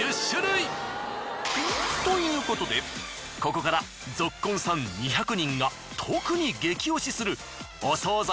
ということでここからぞっこんさん２００人が特に激推しするお惣菜